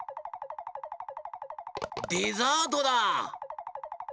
デザートだ！